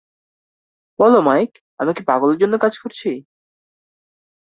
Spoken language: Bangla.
বলো মাইক, আমি কি পাগলের জন্য কাজ করছি?